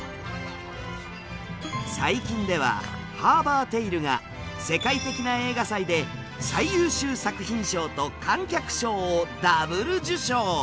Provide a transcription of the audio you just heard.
最近では「ハーバーテイル」が世界的な映画祭で最優秀作品賞と観客賞をＷ受賞。